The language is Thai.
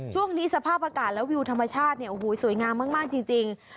ช่วงนี้สภาพอากาศและวิวธรรมชาติเนี่ยโอ้โหสวยงามมากจริง